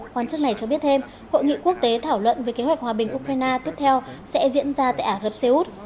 hoàn chức này cho biết thêm hội nghị quốc tế thảo luận về kế hoạch hòa bình ukraine tiếp theo sẽ diễn ra tại ả rập xê út